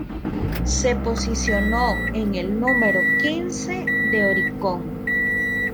Se posicionó en el número quince de Oricon.